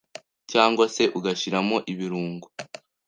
cyangwa se ugashyiramo ibirungo,